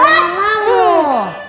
rumah emang loh